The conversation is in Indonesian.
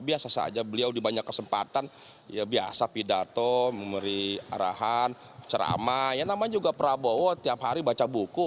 biasa saja beliau di banyak kesempatan ya biasa pidato memberi arahan ceramah ya namanya juga prabowo tiap hari baca buku